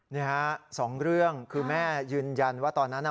นี่ฮะสองเรื่องคือแม่ยืนยันว่าตอนนั้น